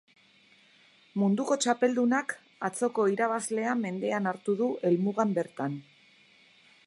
Munduko txapeldunak atzoko irabazlea mendean hartu du helmugan bertan.